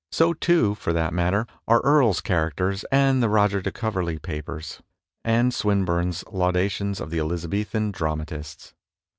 So, too, for that matter, are Earle's characters, and the Roger de Coverley papers, and Swinburne's laudations of the Elizabethan dramatists.